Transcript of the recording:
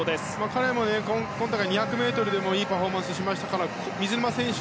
彼も、今大会２００ｍでもいいパフォーマンスをしましたから水沼選手